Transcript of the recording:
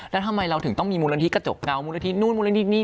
แล้วทำไมเราถึงต้องมีมูลนิธิกระจกเงามูลนิธินู่นมูลนิธินี่